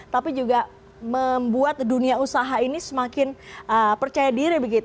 tapi juga membuat dunia usaha ini semakin percaya diri